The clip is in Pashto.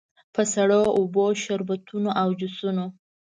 په سړو اوبو، شربتونو او جوسونو.